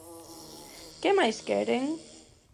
¿Que máis queren?